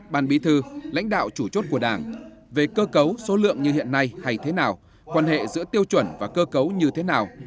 ban bí thư lãnh đạo chủ chốt của đảng về cơ cấu số lượng như hiện nay hay thế nào quan hệ giữa tiêu chuẩn và cơ cấu như thế nào